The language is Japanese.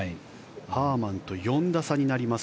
ハーマンと４打差になります。